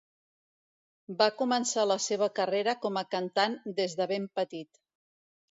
Va començar la seva carrera com a cantant des de ben petit.